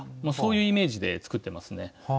そういうイメージで作ってますね。